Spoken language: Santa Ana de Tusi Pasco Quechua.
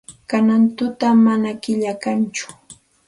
Kanan tutaqa manam killa kanchu.